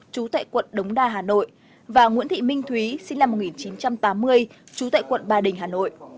chú tệ quận đống đa hà nội và nguyễn thị minh thúy sinh năm một nghìn chín trăm tám mươi chú tệ quận bà đình hà nội